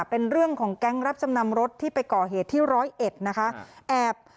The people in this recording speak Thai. เป็นเรื่องของแก๊งรับจำนำรถที่ไปก่อเหตุที่ร้อยเอ็ดนะคะแอบ